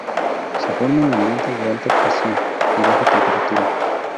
Se forman en ambientes de alta presión y baja temperatura.